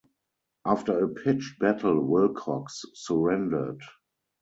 After a pitched battle, Wilcox surrendered.